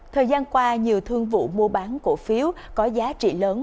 thời gian qua nhiều thương vụ mua bán cổ phiếu có giá trị lớn